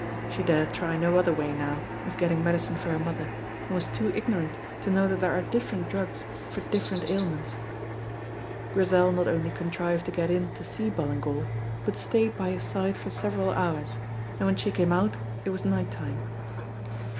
She dared try no other way now of getting medicine for her mother, and was too ignorant to know that there are different drugs for different ailments. Grizel not only contrived to get in to see Ballingan but stayed by his side for several hours, and when she came out it was night time.